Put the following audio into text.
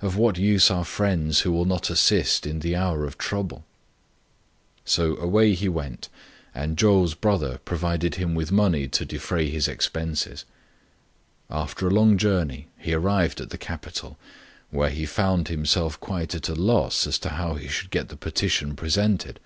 Of what use are friends who will not assist in the hour of trouble ?" So away he went, and Chou's son provided him with money to de fray his expenses. After a long journey he arrived at the capital, where he found himself quite at a loss as to how he should get the petition presented.